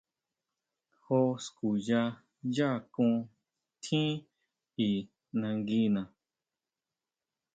Jó skuya yá akón tjín i nanguina.